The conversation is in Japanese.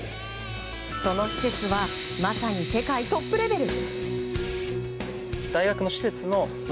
その施設はまさに世界トップレベル。